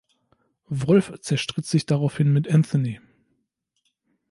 Wolff zerstritt sich daraufhin mit Anthony.